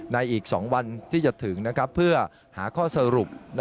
อีก๒วันที่จะถึงเพื่อหาข้อสรุป